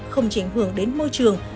không chỉ hưởng đến môi trường